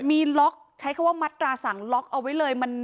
มีล็อกใช้คำว่ามัตราสั่งล็อกเอาไว้เลย